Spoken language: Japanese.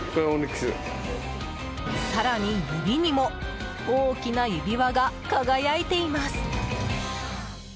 更に、指にも大きな指輪が輝いています。